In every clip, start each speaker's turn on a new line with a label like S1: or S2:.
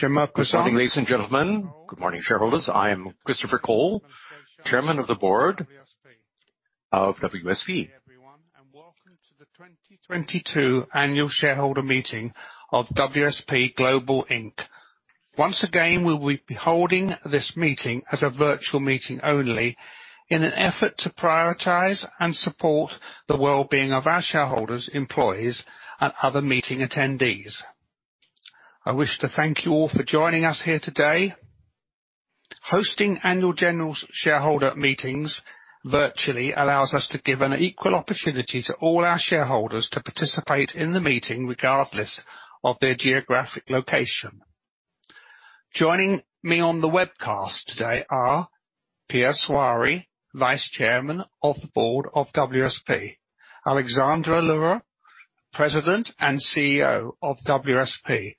S1: Good morning, ladies and gentlemen. Good morning, shareholders. I am Christopher Cole, Chairman of the Board of WSP. Everyone, and welcome to the 2022 Annual Shareholder Meeting of WSP Global Inc. Once again, we will be holding this meeting as a virtual meeting only in an effort to prioritize and support the well-being of our shareholders, employees, and other meeting attendees. I wish to thank you all for joining us here today. Hosting annual general shareholder meetings virtually allows us to give an equal opportunity to all our shareholders to participate in the meeting regardless of their geographic location. Joining me on the webcast today are Pierre Shoiry, Vice Chairman of the Board of WSP, Alexandre L'Heureux, President and CEO of WSP,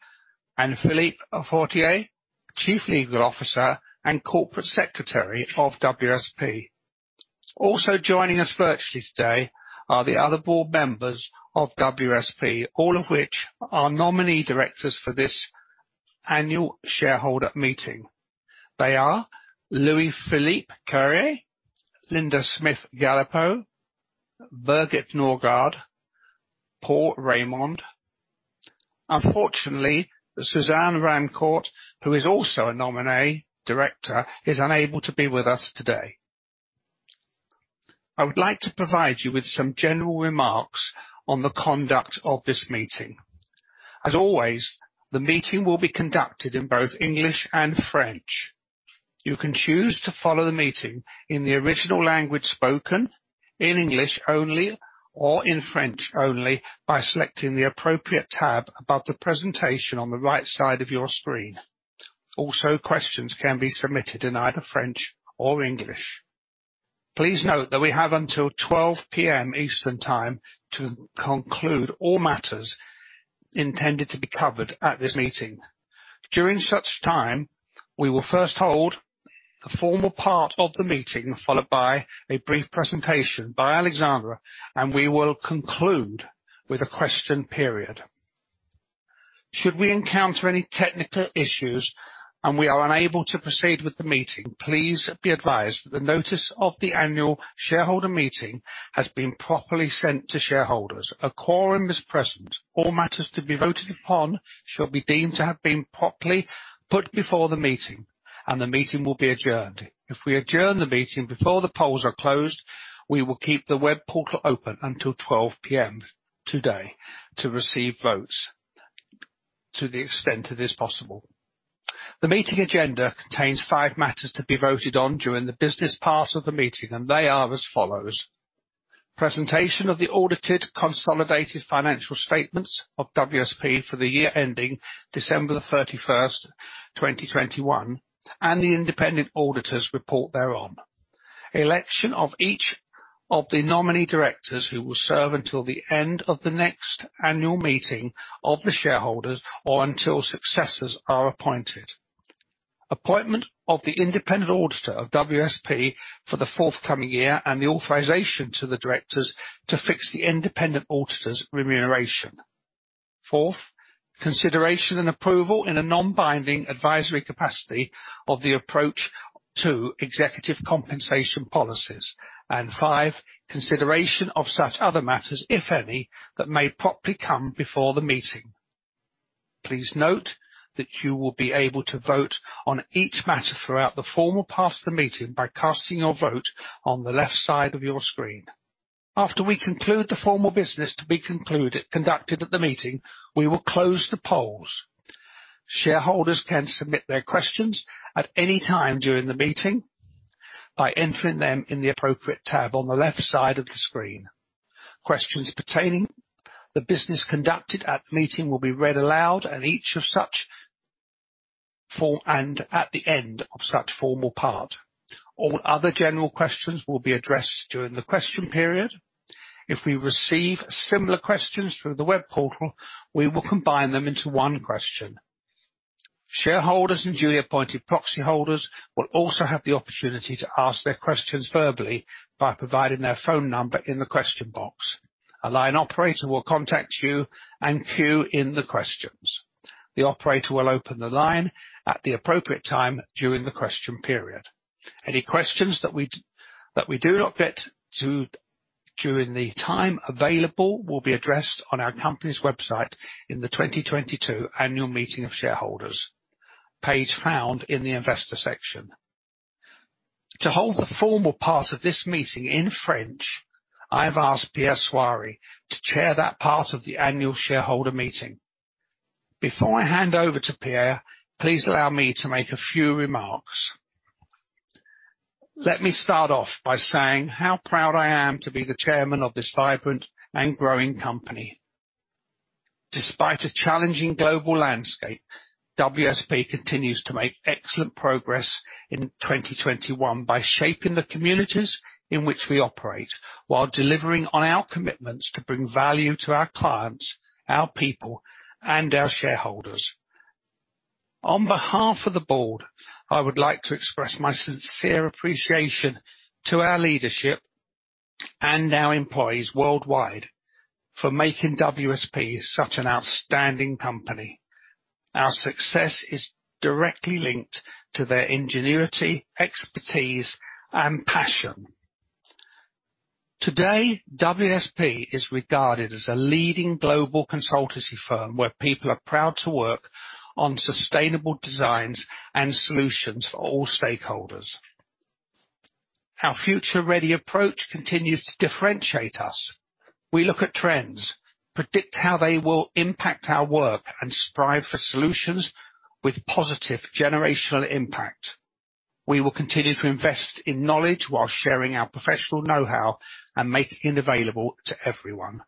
S1: and Philippe Fortier, Chief Legal Officer and Corporate Secretary of WSP. Also joining us virtually today are the other board members of WSP, all of which are nominee directors for this annual shareholder meeting. They are Louis-Philippe Carrière, Linda Smith-Galipeau, Birgit Nørgaard, Paul Raymond. Unfortunately, Suzanne Rancourt, who is also a nominee director, is unable to be with us today. I would like to provide you with some general remarks on the conduct of this meeting. As always, the meeting will be conducted in both English and French. You can choose to follow the meeting in the original language spoken, in English only, or in French only, by selecting the appropriate tab above the presentation on the right side of your screen. Also, questions can be submitted in either French or English. Please note that we have until 12:00 P.M. Eastern Time to conclude all matters intended to be covered at this meeting. During such time, we will first hold the formal part of the meeting, followed by a brief presentation by Alexandre, and we will conclude with a question period. Should we encounter any technical issues and we are unable to proceed with the meeting, please be advised the notice of the annual shareholder meeting has been properly sent to shareholders. A quorum is present. All matters to be voted upon shall be deemed to have been properly put before the meeting, and the meeting will be adjourned. If we adjourn the meeting before the polls are closed, we will keep the web portal open until 12 P.M. today to receive votes to the extent it is possible. The meeting agenda contains five matters to be voted on during the business part of the meeting, and they are as follows. Presentation of the audited consolidated financial statements of WSP for the year ending December 31, 2021, and the independent auditor's report thereon. Election of each of the nominee directors who will serve until the end of the next annual meeting of the shareholders or until successors are appointed. Appointment of the independent auditor of WSP for the forthcoming year and the authorization to the directors to fix the independent auditor's remuneration. Fourth, consideration and approval in a non-binding advisory capacity of the approach to executive compensation policies. Five, consideration of such other matters, if any, that may properly come before the meeting. Please note that you will be able to vote on each matter throughout the formal part of the meeting by casting your vote on the left side of your screen. After we conclude the formal business conducted at the meeting, we will close the polls. Shareholders can submit their questions at any time during the meeting by entering them in the appropriate tab on the left side of the screen. Questions pertaining to the business conducted at the meeting will be read aloud and addressed at the end of the formal part. All other general questions will be addressed during the question period. If we receive similar questions through the web portal, we will combine them into one question. Shareholders and duly appointed proxy holders will also have the opportunity to ask their questions verbally by providing their phone number in the question box. A line operator will contact you and queue up the questions. The operator will open the line at the appropriate time during the question period. Any questions that we do not get to during the time available will be addressed on our company's website in the 2022 annual meeting of shareholders page found in the investor section. To hold the formal part of this meeting in French, I've asked Pierre Shoiry to chair that part of the annual shareholder meeting. Before I hand over to Pierre, please allow me to make a few remarks. Let me start off by saying how proud I am to be the Chairman of this vibrant and growing company. Despite a challenging global landscape, WSP continues to make excellent progress in 2021 by shaping the communities in which we operate while delivering on our commitments to bring value to our clients, our people, and our shareholders. On behalf of the board, I would like to express my sincere appreciation to our leadership and our employees worldwide for making WSP such an outstanding company. Our success is directly linked to their ingenuity, expertise, and passion. Today, WSP is regarded as a leading global consulting firm where people are proud to work on sustainable designs and solutions for all stakeholders. Our future-ready approach continues to differentiate us. We look at trends, predict how they will impact our work, and strive for solutions with positive generational impact. We will continue to invest in knowledge while sharing our professional know-how and making it available to everyone.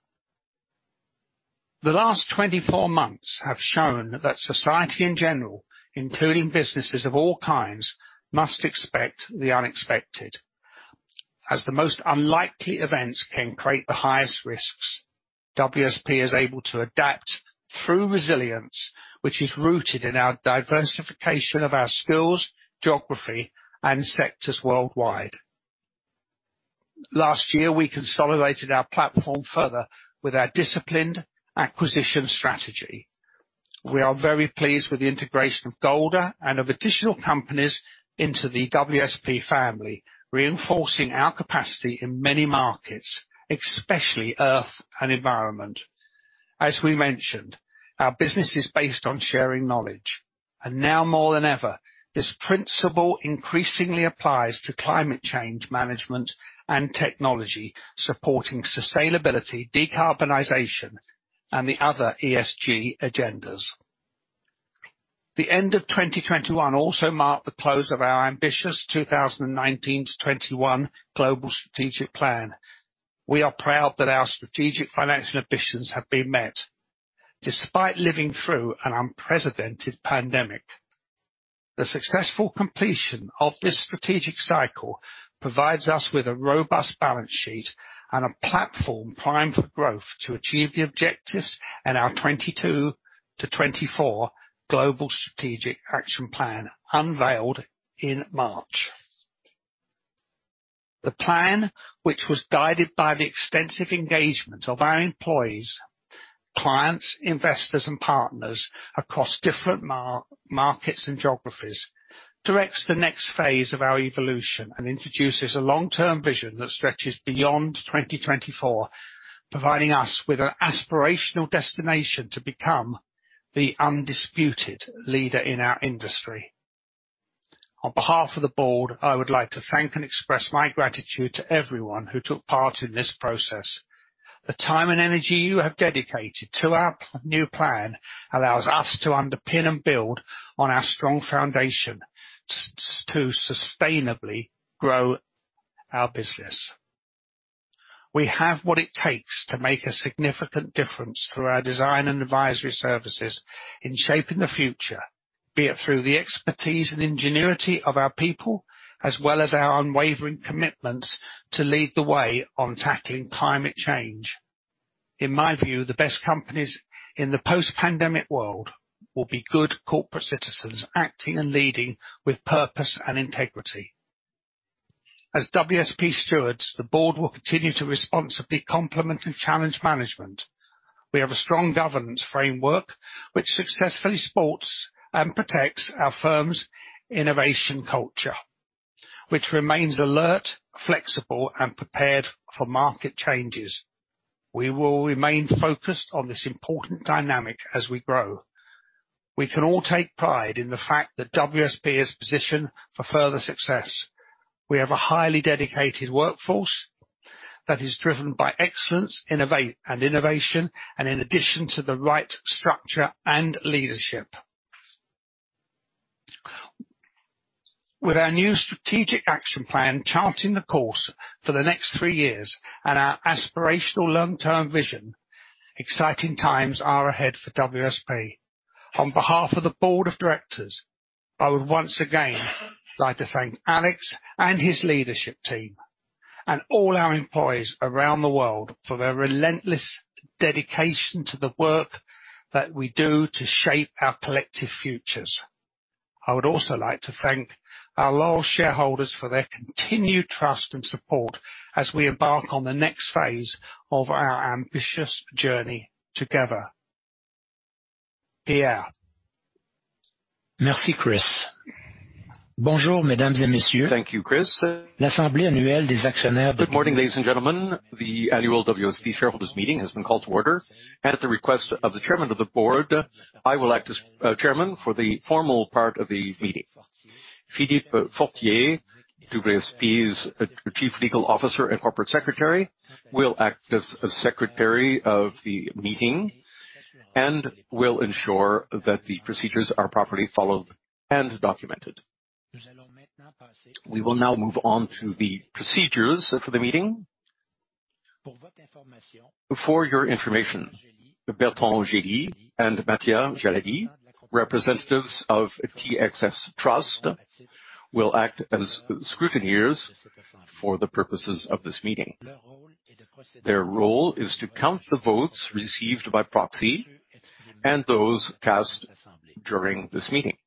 S1: The last 24 months have shown that society in general, including businesses of all kinds, must expect the unexpected, as the most unlikely events can create the highest risks. WSP is able to adapt through resilience, which is rooted in our diversification of our skills, geography, and sectors worldwide. Last year, we consolidated our platform further with our disciplined acquisition strategy. We are very pleased with the integration of Golder and of additional companies into the WSP family, reinforcing our capacity in many markets, especially earth and environment. As we mentioned, our business is based on sharing knowledge. Now more than ever, this principle increasingly applies to climate change management and technology, supporting sustainability, decarbonization, and the other ESG agendas. The end of 2021 also marked the close of our ambitious 2019-2021 global strategic plan. We are proud that our strategic financial ambitions have been met despite living through an unprecedented pandemic. The successful completion of this strategic cycle provides us with a robust balance sheet and a platform primed for growth to achieve the objectives in our 2022-2024 global strategic action plan unveiled in March. The plan, which was guided by the extensive engagement of our employees, clients, investors, and partners across different markets and geographies, directs the next phase of our evolution and introduces a long-term vision that stretches beyond 2024, providing us with an aspirational destination to become the undisputed leader in our industry. On behalf of the board, I would like to thank and express my gratitude to everyone who took part in this process. The time and energy you have dedicated to our new plan allows us to underpin and build on our strong foundation to sustainably grow our business. We have what it takes to make a significant difference through our design and advisory services in shaping the future, be it through the expertise and ingenuity of our people, as well as our unwavering commitment to lead the way on tackling climate change. In my view, the best companies in the post-pandemic world will be good corporate citizens, acting and leading with purpose and integrity. As WSP stewards, the board will continue to responsibly complement and challenge management. We have a strong governance framework which successfully supports and protects our firm's innovation culture, which remains alert, flexible, and prepared for market changes. We will remain focused on this important dynamic as we grow. We can all take pride in the fact that WSP is positioned for further success. We have a highly dedicated workforce that is driven by excellence, innovation, and innovation, and in addition to the right structure and leadership. With our new strategic action plan charting the course for the next three years and our aspirational long-term vision, exciting times are ahead for WSP. On behalf of the board of directors, I would once again like to thank Alex and his leadership team and all our employees around the world for their relentless dedication to the work that we do to shape our collective futures. I would also like to thank our loyal shareholders for their continued trust and support as we embark on the next phase of our ambitious journey together. Pierre.
S2: Merci, Chris. Thank you, Chris. Good morning, ladies and gentlemen. The annual WSP shareholders meeting has been called to order. At the request of the chairman of the board, I will act as chairman for the formal part of the meeting. Philippe Fortier, WSP's Chief Legal Officer and Corporate Secretary, will act as secretary of the meeting and will ensure that the procedures are properly followed and documented. We will now move on to the procedures for the meeting. For your information, Bertrand Gely and Mattia Gialdi, representatives of TSX Trust, will act as scrutineers for the purposes of this meeting. Their role is to count the votes received by proxy and those cast during this meeting.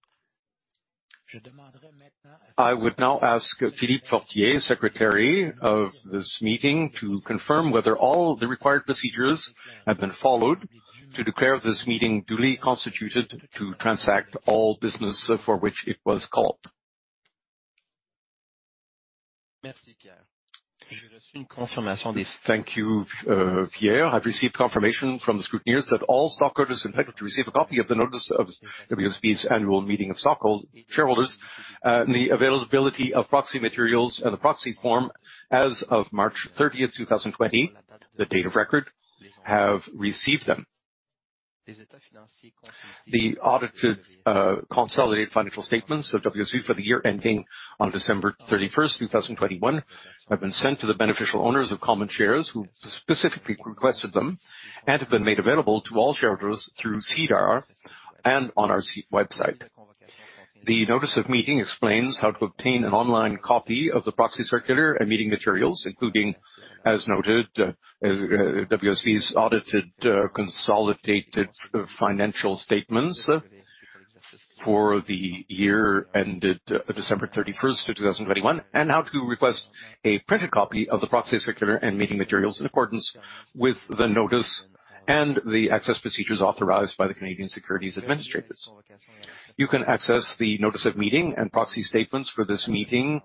S2: I would now ask Philippe Fortier, Secretary of this meeting, to confirm whether all the required procedures have been followed to declare this meeting duly constituted to transact all business for which it was called.
S3: Thank you, Pierre. I've received confirmation from the scrutineers that all shareholders are entitled to receive a copy of the notice of WSP's annual meeting of shareholders, and the availability of proxy materials and the proxy form as of March 30, 2020, the date of record, have received them. The audited consolidated financial statements of WSP for the year ending on December 31, 2021, have been sent to the beneficial owners of common shares who specifically requested them and have been made available to all shareholders through SEDAR and on our website. The notice of meeting explains how to obtain an online copy of the proxy circular and meeting materials, including, as noted, WSP's audited, consolidated, financial statements for the year ended December 31, 2021, and how to request a printed copy of the proxy circular and meeting materials in accordance with the notice and the access procedures authorized by the Canadian Securities Administrators. You can access the notice of meeting and proxy statements for this meeting,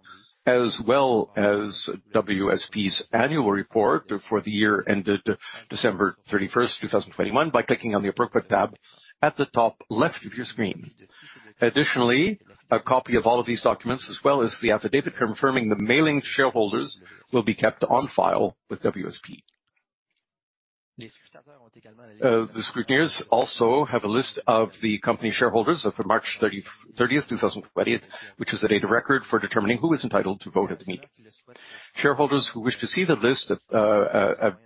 S3: as well as WSP's annual report for the year ended December 31, 2021, by clicking on the appropriate tab at the top left of your screen. Additionally, a copy of all of these documents, as well as the affidavit confirming the mailing to shareholders, will be kept on file with WSP. The scrutineers also have a list of the company shareholders of the March 30, 2020, which is the date of record for determining who is entitled to vote at the meeting. Shareholders who wish to see the list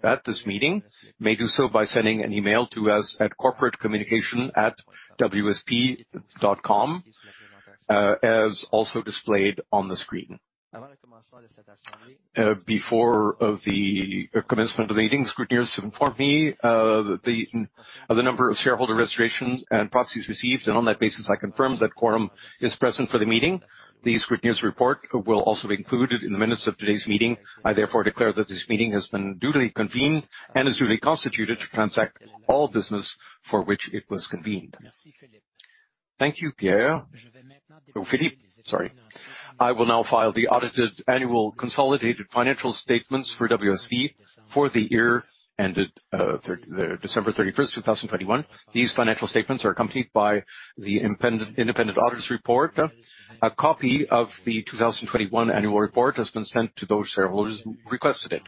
S3: at this meeting may do so by sending an email to us at corporatecommunication@wsp.com, as also displayed on the screen. Before the commencement of the meeting, scrutineers have informed me of the number of shareholder registrations and proxies received, and on that basis, I confirm that quorum is present for the meeting. The scrutineers' report will also be included in the minutes of today's meeting. I therefore declare that this meeting has been duly convened and is duly constituted to transact all business for which it was convened.
S2: Thank you, Pierre Shoiry. Philippe Fortier, sorry. I will now file the audited annual consolidated financial statements for WSP for the year ended December 31, 2021. These financial statements are accompanied by the independent auditor's report. A copy of the 2021 annual report has been sent to those shareholders who requested it.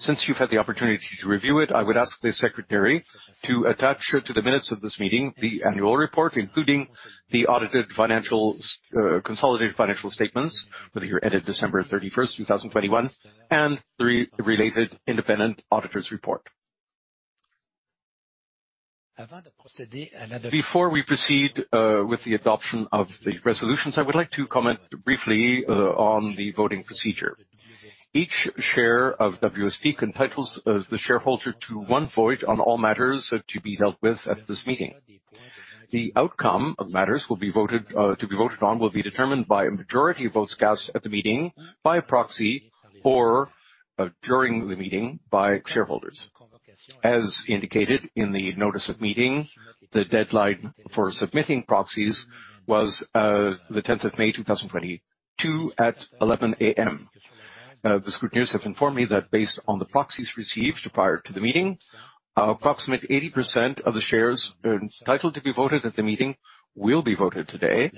S2: Since you've had the opportunity to review it, I would ask the secretary to attach to the minutes of this meeting the annual report, including the audited financials, consolidated financial statements for the year ended December 31, 2021, and the related independent auditor's report. Before we proceed with the adoption of the resolutions, I would like to comment briefly on the voting procedure. Each share of WSP entitles the shareholder to one vote on all matters to be dealt with at this meeting. The outcome of matters to be voted on will be determined by a majority of votes cast at the meeting by proxy or during the meeting by shareholders. As indicated in the notice of meeting, the deadline for submitting proxies was the tenth of May, 2022 at 11:00 A.M. The scrutineers have informed me that based on the proxies received prior to the meeting, approximately 80% of the shares entitled to be voted at the meeting will be voted today.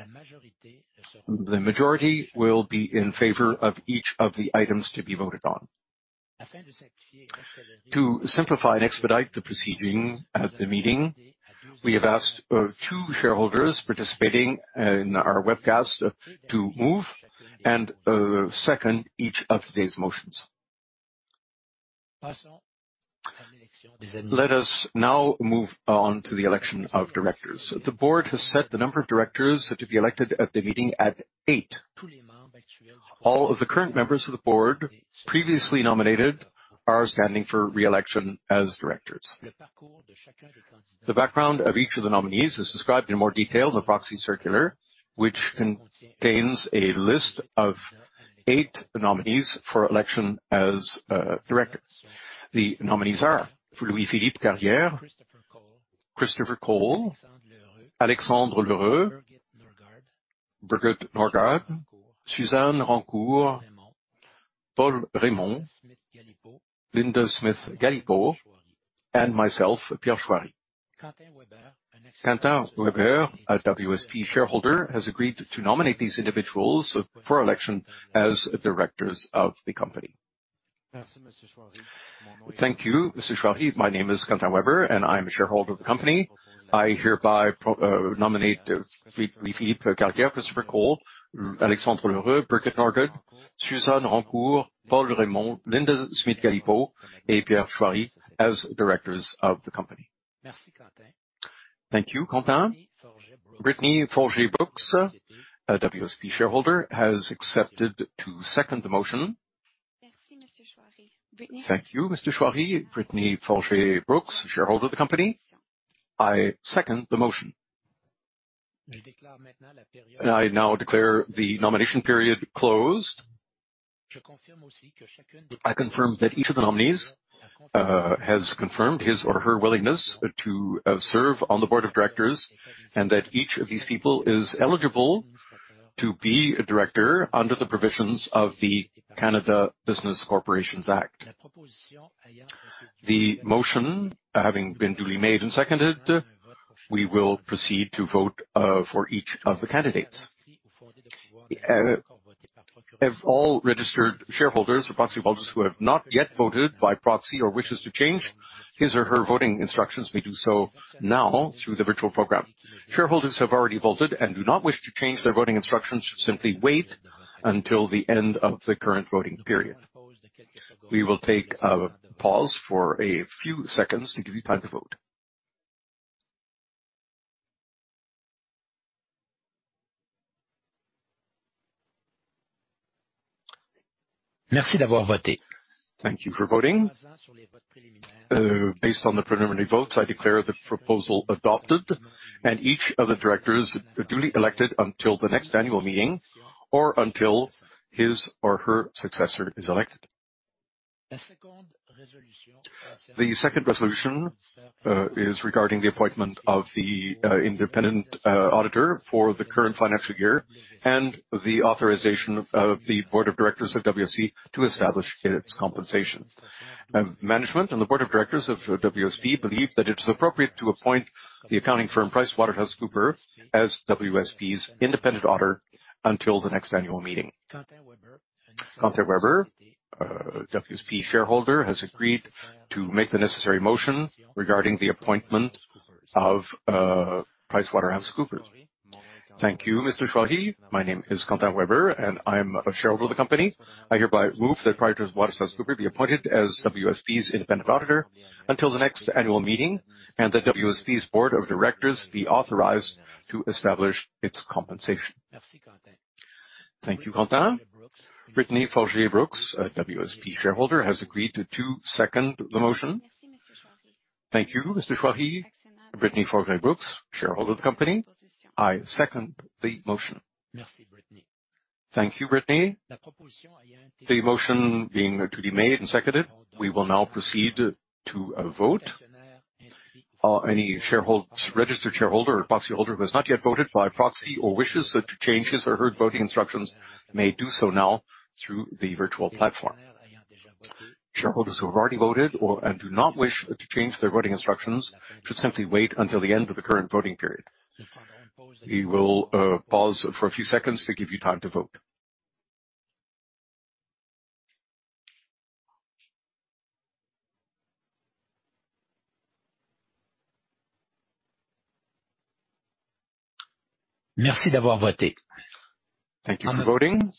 S2: The majority will be in favor of each of the items to be voted on. To simplify and expedite the proceeding at the meeting, we have asked two shareholders participating in our webcast to move and second each of today's motions. Let us now move on to the election of directors. The board has set the number of directors to be elected at the meeting at eight. All of the current members of the board previously nominated are standing for re-election as directors. The background of each of the nominees is described in more detail in the proxy circular, which contains a list of eight nominees for election as directors. The nominees are Louis-Philippe Carrière, Christopher Cole, Alexandre L'Heureux, Birgit Nørgaard, Suzanne Rancourt, Paul Raymond, Linda Smith-Galipeau, and myself, Pierre Shoiry. Quentin Weber, a WSP shareholder, has agreed to nominate these individuals for election as directors of the company.
S4: Thank you, Monsieur Shoiry. My name is Quentin Weber, and I am a shareholder of the company. I hereby nominate Louis-Philippe Carrière, Christopher Cole, Alexandre L'Heureux, Birgit Nørgaard, Suzanne Rancourt, Paul Raymond, Linda Smith-Galipeau, and Pierre Shoiry as directors of the company.
S1: Thank you, Quentin.
S5: Brittany Folger-Brooks, a WSP shareholder, has accepted to second the motion. Thank you, Mr. Shoiry. Brittany Folger-Brooks, shareholder of the company. I second the motion. I now declare the nomination period closed. I confirm that each of the nominees has confirmed his or her willingness to serve on the board of directors and that each of these people is eligible to be a director under the provisions of the Canada Business Corporations Act. The motion having been duly made and seconded, we will proceed to vote for each of the candidates. If all registered shareholders or proxy holders who have not yet voted by proxy or wishes to change his or her voting instructions may do so now through the virtual program.
S2: Shareholders who have already voted and do not wish to change their voting instructions should simply wait until the end of the current voting period. We will take a pause for a few seconds to give you time to vote. Merci d'avoir voté. Thank you for voting. Based on the preliminary votes, I declare the proposal adopted and each of the directors duly elected until the next annual meeting or until his or her successor is elected. The second resolution is regarding the appointment of the independent auditor for the current financial year and the authorization of the board of directors of WSP to establish its compensation. Management and the board of directors of WSP believe that it is appropriate to appoint the accounting firm PricewaterhouseCoopers as WSP's independent auditor until the next annual meeting. Quentin Weber, WSP shareholder, has agreed to make the necessary motion regarding the appointment of PricewaterhouseCoopers.
S4: Thank you, Mr. Shoiry. My name is Quentin Weber, and I'm a shareholder of the company. I hereby move that PricewaterhouseCoopers be appointed as WSP's independent auditor until the next annual meeting and that WSP's board of directors be authorized to establish its compensation. Thank you, Quentin. Brittany Folger-Brooks, a WSP shareholder, has agreed to second the motion.
S5: Thank you, Mr. Shoiry. Brittany Folger-Brooks, shareholder of the company. I second the motion.
S2: Thank you, Brittany. The motion being duly made and seconded, we will now proceed to a vote. Any shareholder, registered shareholder or proxy holder who has not yet voted by proxy or wishes to change his or her voting instructions may do so now through the virtual platform. Shareholders who have already voted and do not wish to change their voting instructions should simply wait until the end of the current voting period. We will pause for a few seconds to give you time to vote. Merci d'avoir voté. Thank you for voting.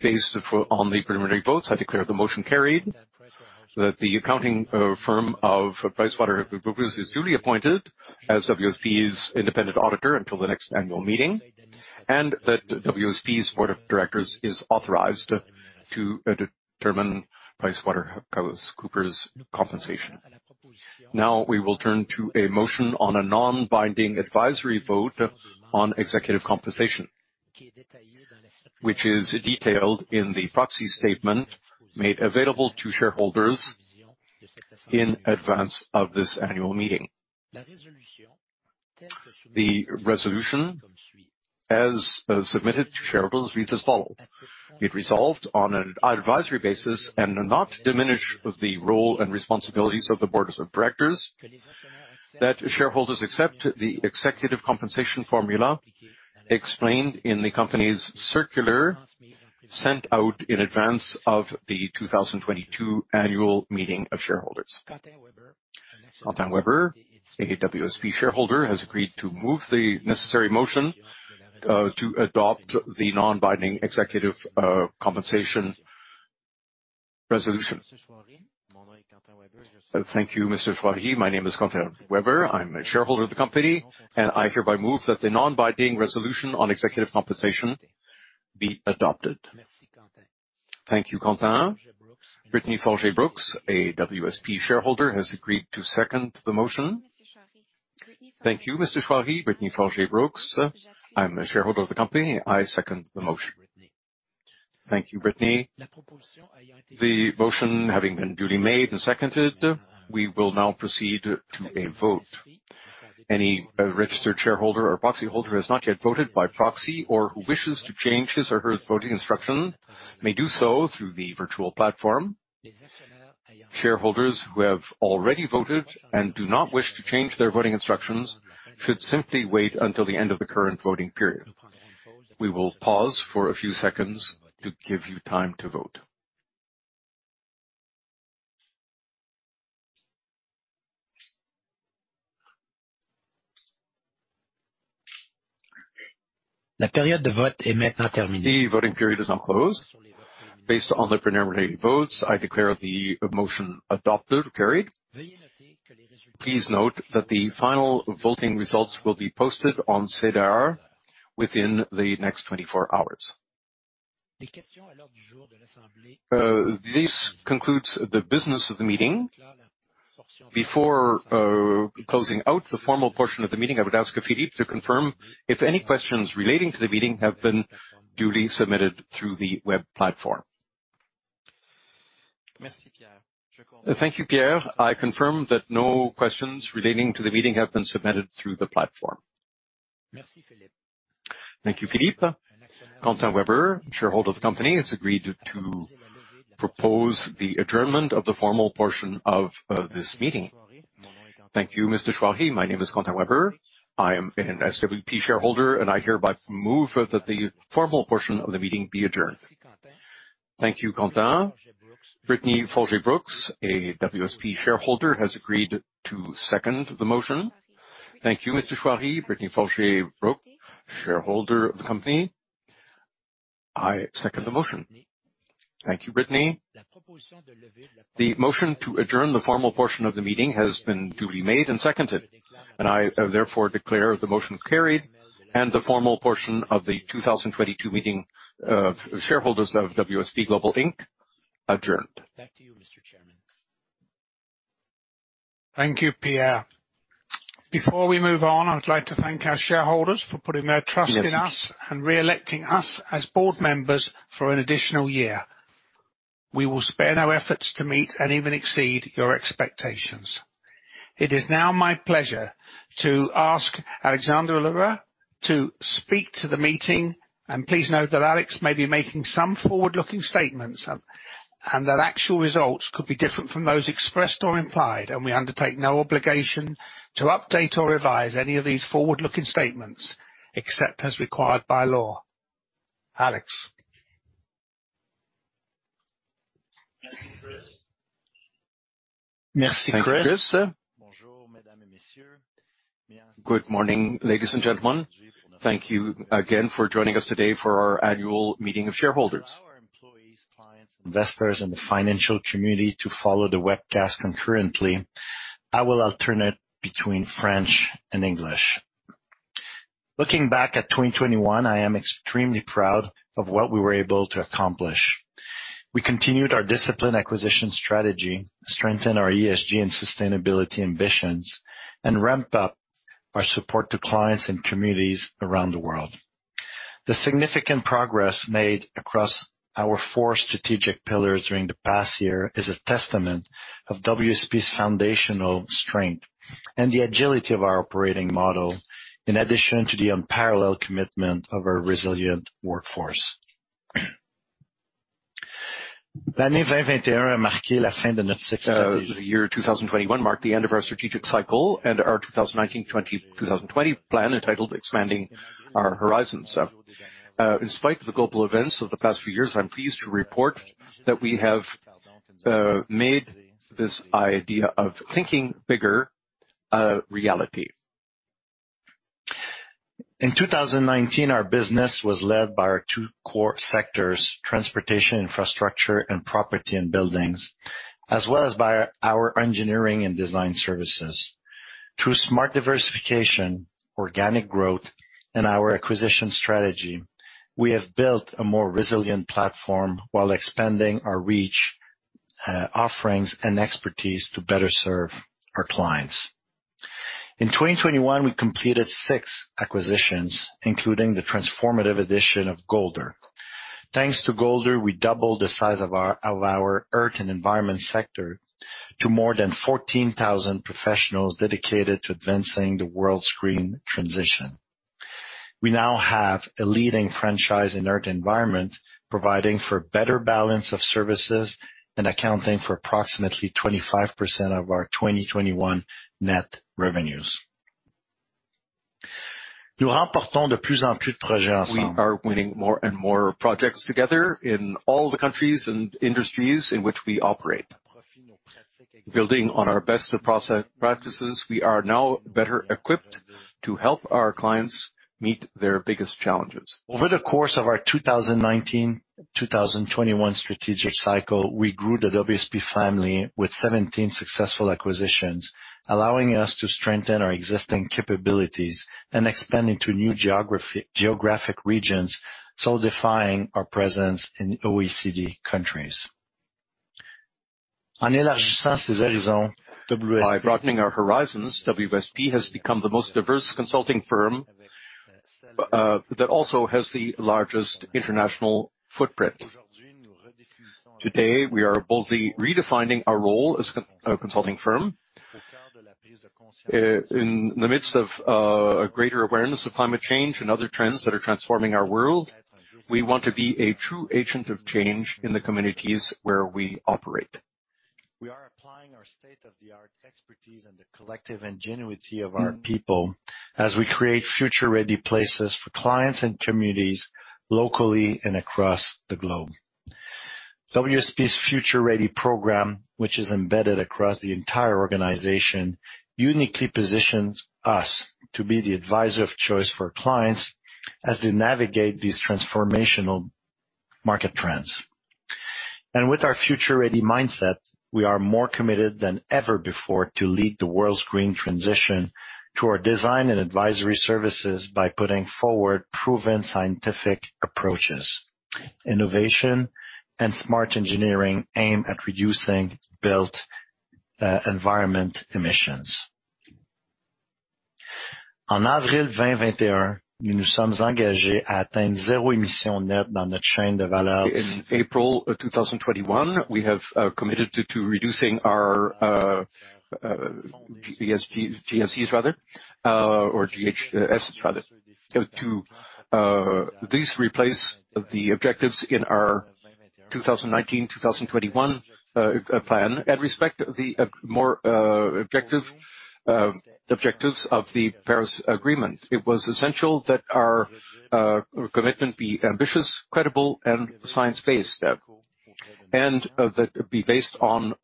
S2: Based on the preliminary votes, I declare the motion carried that the accounting firm of PricewaterhouseCoopers is duly appointed as WSP's independent auditor until the next annual meeting and that WSP's board of directors is authorized to determine PricewaterhouseCoopers compensation. Now we will turn to a motion on a non-binding advisory vote on executive compensation which is detailed in the proxy statement made available to shareholders in advance of this annual meeting. The resolution as submitted to shareholders reads as follows: Resolved, on an advisory basis and not to diminish the role and responsibilities of the Board of Directors, that shareholders accept the executive compensation formula explained in the company's circular sent out in advance of the 2022 annual meeting of shareholders. Quentin Weber, a WSP shareholder, has agreed to move the necessary motion to adopt the non-binding executive compensation resolution.
S4: Thank you, Mr. Shoiry. My name is Quentin Weber. I'm a shareholder of the company, and I hereby move that the non-binding resolution on executive compensation be adopted.
S2: Thank you, Quentin. Brittany Folger-Brooks, a WSP shareholder, has agreed to second the motion.
S5: Thank you, Mr. Shoiry. Brittany Folger-Brooks. I'm a shareholder of the company. I second the motion.
S2: Thank you, Brittany. The motion having been duly made and seconded, we will now proceed to a vote. Any registered shareholder or proxy holder who has not yet voted by proxy or who wishes to change his or her voting instruction may do so through the virtual platform. Shareholders who have already voted and do not wish to change their voting instructions should simply wait until the end of the current voting period. We will pause for a few seconds to give you time to vote. The period of vote is now terminated. The voting period is now closed. Based on the preliminary votes, I declare the motion adopted. Carried. Please note that the final voting results will be posted on SEDAR within the next 24 hours. This concludes the business of the meeting. Before closing out the formal portion of the meeting, I would ask Philippe to confirm if any questions relating to the meeting have been duly submitted through the web platform.
S3: Thank you, Pierre. I confirm that no questions relating to the meeting have been submitted through the platform.
S2: Thank you, Philippe. Quentin Weber, shareholder of the company, has agreed to propose the adjournment of the formal portion of this meeting.
S4: Thank you, Mr. Shoiry. My name is Quentin Weber. I am a WSP shareholder, and I hereby move that the formal portion of the meeting be adjourned.
S2: Thank you, Quentin. Brittany Folger-Brooks, a WSP shareholder, has agreed to second the motion.
S5: Thank you, Mr. Shoiry. Brittany Folger-Brooks, shareholder of the company. I second the motion.
S2: Thank you, Brittany. The motion to adjourn the formal portion of the meeting has been duly made and seconded. I therefore declare the motion carried and the formal portion of the 2022 meeting of shareholders of WSP Global Inc. adjourned. Back to you, Mr. Chairman.
S1: Thank you, Pierre. Before we move on, I would like to thank our shareholders for putting their trust in us and re-electing us as board members for an additional year. We will spare no efforts to meet and even exceed your expectations. It is now my pleasure to ask Alexandre L'Heureux to speak to the meeting. Please note that Alex may be making some forward-looking statements, and that actual results could be different from those expressed or implied, and we undertake no obligation to update or revise any of these forward-looking statements except as required by law. Alex.
S6: Merci, Chris. Good morning, ladies and gentlemen. Thank you again for joining us today for our annual meeting of shareholders. To allow our employees, clients, investors, and the financial community to follow the webcast concurrently, I will alternate between French and English. Looking back at 2021, I am extremely proud of what we were able to accomplish. We continued our discipline acquisition strategy, strengthen our ESG and sustainability ambitions, and ramped up our support to clients and communities around the world. The significant progress made across our four strategic pillars during the past year is a testament of WSP's foundational strength and the agility of our operating model, in addition to the unparalleled commitment of our resilient workforce. The year 2021 marked the end of our strategic cycle and our 2019-2021 plan entitled Expanding Our Horizons. In spite of the global events of the past few years, I'm pleased to report that we have made this idea of thinking bigger a reality. In 2019, our business was led by our two core sectors, transportation, infrastructure, and property and buildings, as well as by our engineering and design services. Through smart diversification, organic growth, and our acquisition strategy, we have built a more resilient platform while expanding our reach, offerings, and expertise to better serve our clients. In 2021, we completed six acquisitions, including the transformative acquisition of Golder. Thanks to Golder, we doubled the size of our earth and environment sector to more than 14,000 professionals dedicated to advancing the world's green transition. We now have a leading franchise in Earth & Environment, providing for better balance of services and accounting for approximately 25% of our 2021 net revenues. We are winning more and more projects together in all the countries and industries in which we operate. Building on our best practices, we are now better equipped to help our clients meet their biggest challenges. Over the course of our 2019-2021 strategic cycle, we grew the WSP family with 17 successful acquisitions, allowing us to strengthen our existing capabilities and expand into new geographic regions, solidifying our presence in OECD countries. By broadening our horizons, WSP has become the most diverse consulting firm that also has the largest international footprint. Today, we are boldly redefining our role as a consulting firm. In the midst of a greater awareness of climate change and other trends that are transforming our world, we want to be a true agent of change in the communities where we operate. We are applying our state-of-the-art expertise and the collective ingenuity of our people as we create future-ready places for clients and communities locally and across the globe. WSP's Future Ready program, which is embedded across the entire organization, uniquely positions us to be the advisor of choice for clients as they navigate these transformational market trends. With our future-ready mindset, we are more committed than ever before to lead the world's green transition to our design and advisory services by putting forward proven scientific approaches, innovation, and smart engineering aimed at reducing built environment emissions. In April of 2021, we have committed to reducing our GHGs. These replace the objectives in our 2019-2021 plan and respect the more objective objectives of the Paris Agreement. It was essential that our commitment be ambitious, credible, and science-based, and that it be based on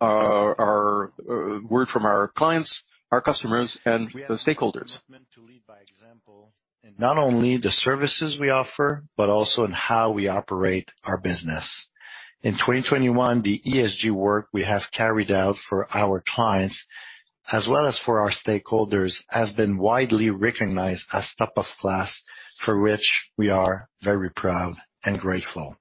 S6: input from our clients, our customers, and the stakeholders. Not only the services we offer, but also in how we operate our business. In 2021, the ESG work we have carried out for our clients as well as for our stakeholders have been widely recognized as top class, for which we are very proud and grateful.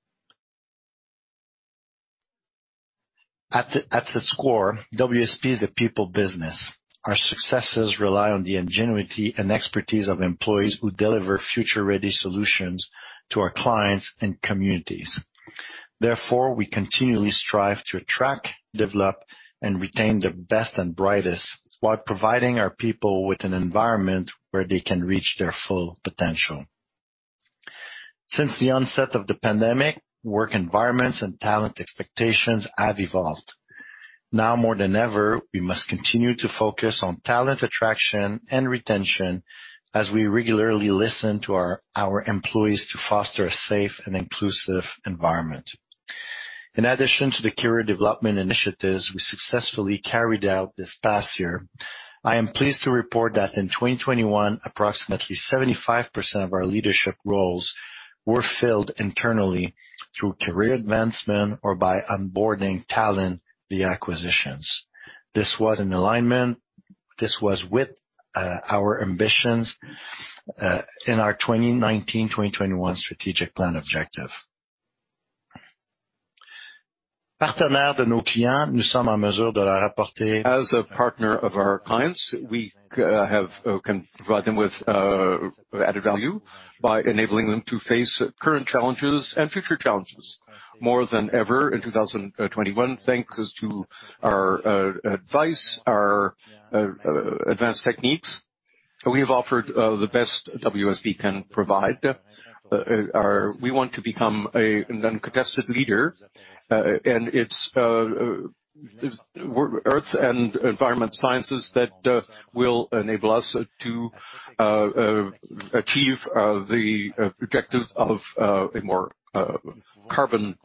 S6: At its core, WSP is a people business. Our successes rely on the ingenuity and expertise of employees who deliver future-ready solutions to our clients and communities. Therefore, we continually strive to attract, develop, and retain the best and brightest while providing our people with an environment where they can reach their full potential. Since the onset of the pandemic, work environments and talent expectations have evolved. Now more than ever, we must continue to focus on talent attraction and retention as we regularly listen to our employees to foster a safe and inclusive environment. In addition to the career development initiatives we successfully carried out this past year, I am pleased to report that in 2021, approximately 75% of our leadership roles were filled internally through career advancement or by onboarding talent via acquisitions. This was in alignment with our ambitions in our 2019, 2021 strategic plan objective. As a partner of our clients, we can provide them with added value by enabling them to face current challenges and future challenges more than ever in 2021. Thanks to our advice, our advanced techniques, we have offered the best WSP can provide. We want to become an uncontested leader, and it's earth and environment sciences that will enable us to achieve the objective of a more carbon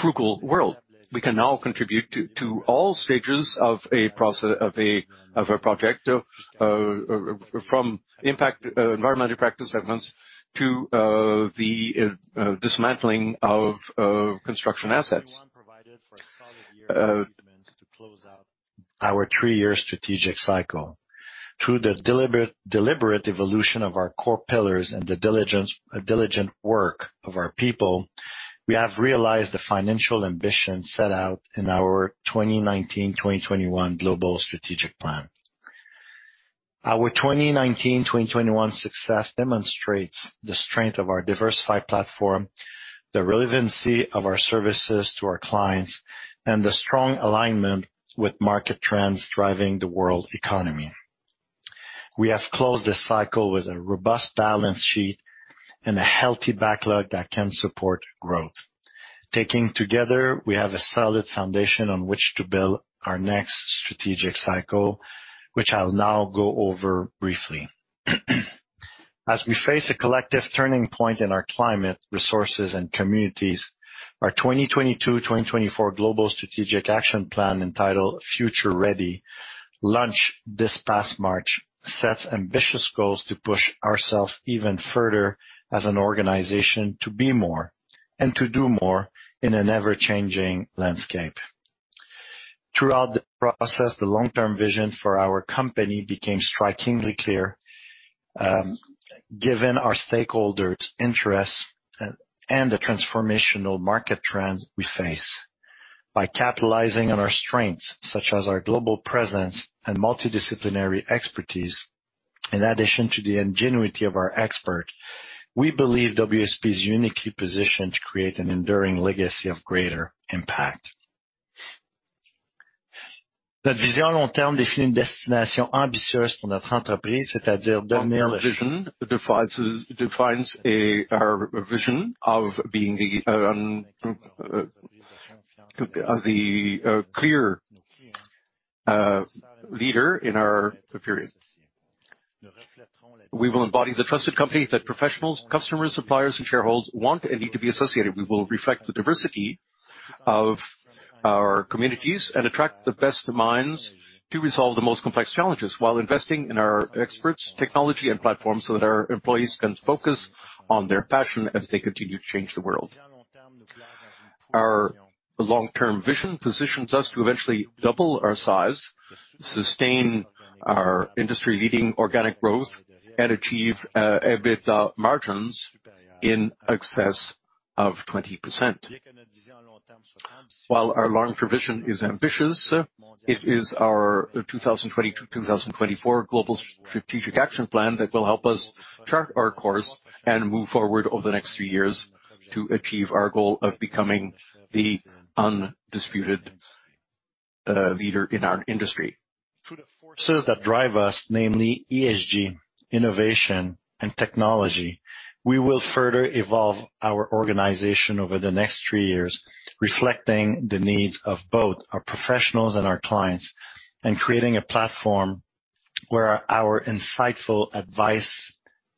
S6: frugal world. We can now contribute to all stages of a project, from impact environmental practice segments to the dismantling of construction assets. Our three-year strategic cycle. Through the deliberate evolution of our core pillars and the diligent work of our people, we have realized the financial ambition set out in our 2019-2021 global strategic plan. Our 2019-2021 success demonstrates the strength of our diversified platform, the relevancy of our services to our clients, and the strong alignment with market trends driving the world economy. We have closed this cycle with a robust balance sheet and a healthy backlog that can support growth. Taken together, we have a solid foundation on which to build our next strategic cycle, which I'll now go over briefly. As we face a collective turning point in our climate, resources, and communities, our 2022-2024 global strategic action plan, entitled Future Ready, launched this past March, sets ambitious goals to push ourselves even further as an organization to be more and to do more in an ever-changing landscape. Throughout the process, the long-term vision for our company became strikingly clear, given our stakeholders' interests and the transformational market trends we face. By capitalizing on our strengths, such as our global presence and multidisciplinary expertise, in addition to the ingenuity of our experts, we believe WSP is uniquely positioned to create an enduring legacy of greater impact. Our vision defines our vision of being the clear leader in our sector. We will embody the trusted company that professionals, customers, suppliers, and shareholders want and need to be associated. We will reflect the diversity of our communities and attract the best minds to resolve the most complex challenges while investing in our experts, technology, and platforms so that our employees can focus on their passion as they continue to change the world. Our long-term vision positions us to eventually double our size, sustain our industry leading organic growth, and achieve EBITDA margins in excess of 20%. While our long term vision is ambitious, it is our 2020 to 2024 global strategic action plan that will help us chart our course and move forward over the next few years to achieve our goal of becoming the undisputed leader in our industry. Through the forces that drive us, namely ESG, innovation and technology, we will further evolve our organization over the next three years, reflecting the needs of both our professionals and our clients, and creating a platform where our insightful advice,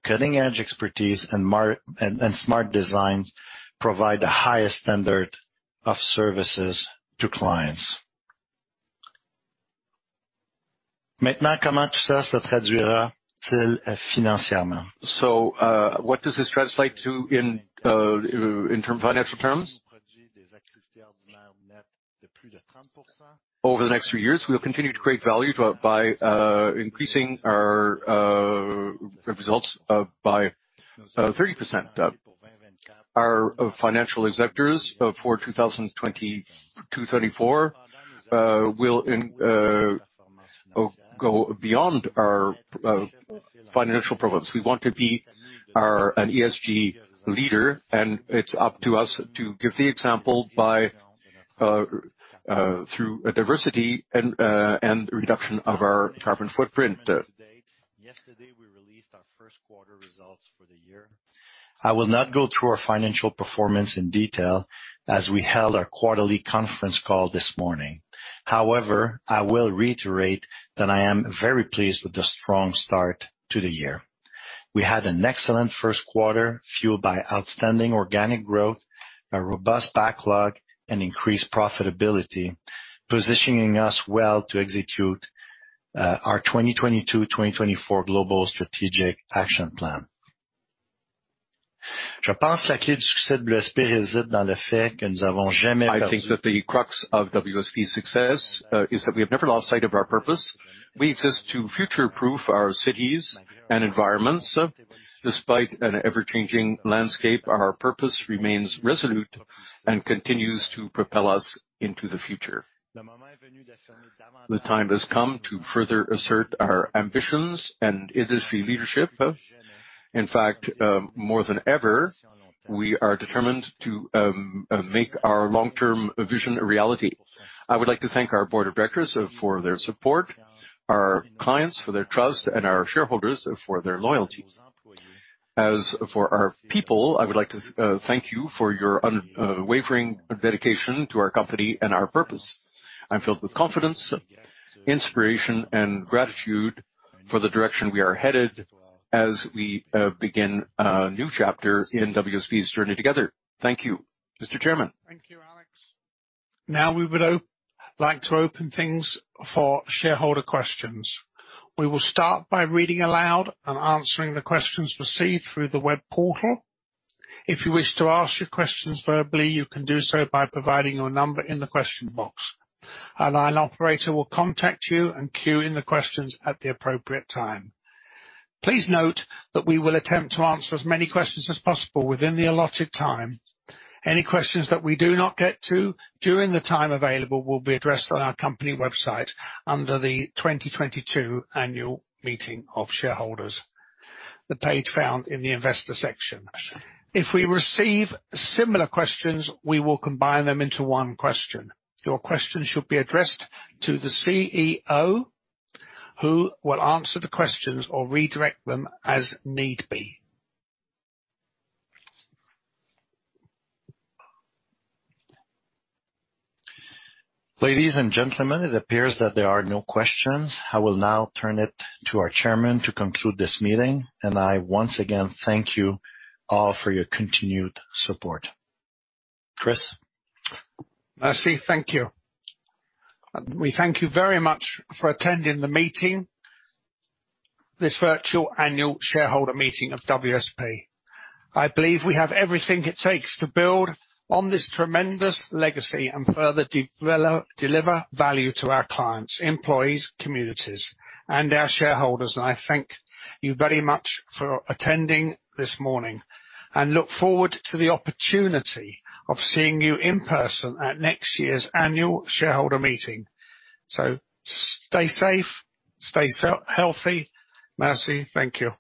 S6: cutting-edge expertise and smart designs provide the highest standard of services to clients. What does this translate to in financial terms? Over the next three years, we will continue to create value by increasing our results by 30%. Our financial objectives for 2020-2024 will go beyond our financial prowess. We want to be an ESG leader, and it's up to us to give the example through diversity and reduction of our carbon footprint. Yesterday, we released our first quarter results for the year. I will not go through our financial performance in detail as we held our quarterly conference call this morning. However, I will reiterate that I am very pleased with the strong start to the year. We had an excellent first quarter, fueled by outstanding organic growth, a robust backlog, and increased profitability, positioning us well to execute our 2022-2024 global strategic action plan. I think that the crux of WSP's success is that we have never lost sight of our purpose. We exist to future-proof our cities and environments. Despite an ever-changing landscape, our purpose remains resolute and continues to propel us into the future. The time has come to further assert our ambitions and industry leadership. In fact, more than ever, we are determined to make our long-term vision a reality. I would like to thank our board of directors for their support, our clients for their trust, and our shareholders for their loyalty. As for our people, I would like to thank you for your unwavering dedication to our company and our purpose. I'm filled with confidence, inspiration, and gratitude for the direction we are headed as we begin a new chapter in WSP's journey together. Thank you. Mr. Chairman.
S1: Thank you, Alex. Now we would like to open things for shareholder questions. We will start by reading aloud and answering the questions received through the web portal. If you wish to ask your questions verbally, you can do so by providing your number in the question box. A line operator will contact you and queue in the questions at the appropriate time. Please note that we will attempt to answer as many questions as possible within the allotted time. Any questions that we do not get to during the time available will be addressed on our company website under the 2022 annual meeting of shareholders, the page found in the investor section. If we receive similar questions, we will combine them into one question. Your questions should be addressed to the CEO, who will answer the questions or redirect them as need be.
S6: Ladies and gentlemen, it appears that there are no questions. I will now turn it to our chairman to conclude this meeting, and I once again thank you all for your continued support. Chris?
S1: Merci. Thank you. We thank you very much for attending the meeting, this virtual annual shareholder meeting of WSP. I believe we have everything it takes to build on this tremendous legacy and further deliver value to our clients, employees, communities, and our shareholders. I thank you very much for attending this morning and look forward to the opportunity of seeing you in person at next year's annual shareholder meeting. Stay safe, stay healthy. Merci. Thank you.